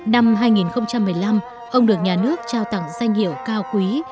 năm hai nghìn một mươi năm ông được nhà nước trao tặng danh hiệu cao quý